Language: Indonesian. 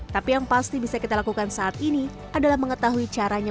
tapi yang pasti bisa kita lakukan saat ini adalah mengetahui caranya